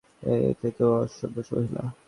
কি হইছে রে তো অসভ্য মহিলা?